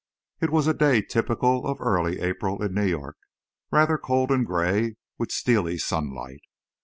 It was a day typical of early April in New York, rather cold and gray, with steely sunlight.